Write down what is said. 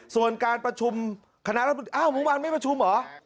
ส่วนการประชุมคณะรัฐอ้าวเมื่อวานไม่ประชุมเหรอ